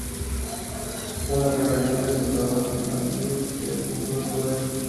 Una rebelión de soldados nativos le encumbró al poder.